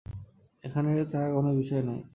এখানে টাকা কোনও বিষয় নয়।